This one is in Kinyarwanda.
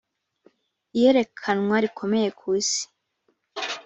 iyerekanwa rikomeye ku isi "